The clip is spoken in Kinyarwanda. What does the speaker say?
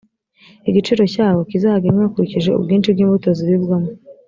igiciro cyawo kizagenwe hakurikijwe ubwinshi bw imbuto zibibwamo